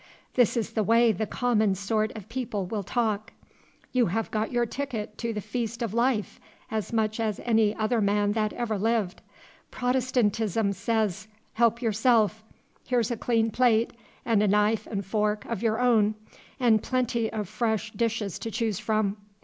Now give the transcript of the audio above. This is the way the common sort of people will talk: 'You have got your ticket to the feast of life, as much as any other man that ever lived. Protestantism says, "Help yourself; here's a clean plate, and a knife and fork of your own, and plenty of fresh dishes to choose from."